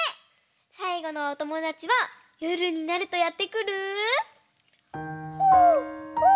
さいごのおともだちはよるになるとやってくるホーホー。